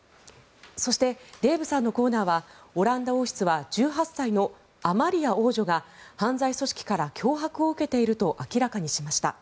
そして、デーブさんのコーナーはオランダ王室は１８歳のアマリア王女が犯罪組織から脅迫を受けていると明らかにしました。